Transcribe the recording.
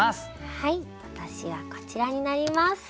はい私はこちらになります。